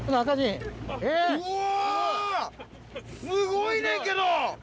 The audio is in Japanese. すごいねんけど！